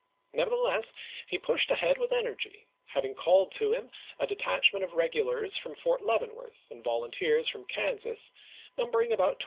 Nevertheless, he pushed ahead with energy, hav ing called to him a detachment of regulars from Fort Leavenworth, and volunteers from Kansas numbering about 2200.